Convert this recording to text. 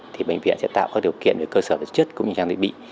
thì bệnh viện sẽ tạo các điều kiện về cơ sở vật chất cũng như trang thiết bị